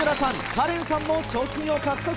カレンさんも賞金を獲得。